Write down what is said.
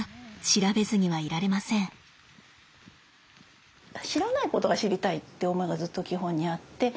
知らないことが知りたいって思いがずっと基本にあって